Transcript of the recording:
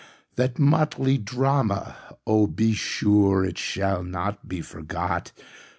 That motley drama—oh, be sureIt shall not be forgot!